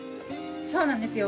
そうなんですよ